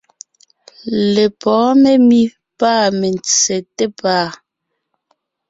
Lepɔ̌ɔn memí pâ mentse té pàa.